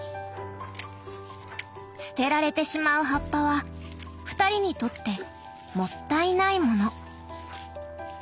捨てられてしまう葉っぱは２人にとってもったいないもの。